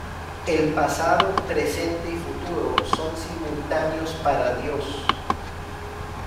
El pasado, presente y futuro son simultáneos para Dios.